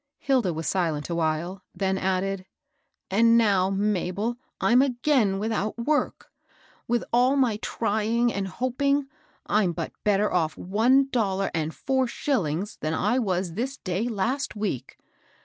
Hilda was silent awhile, then added, ^^And now, Mabel, I'm again without work !— with all my trying, and hoping, I'm but better off one dollar and four shillings than I was S72 MABEL ROSS* tiiis day last week.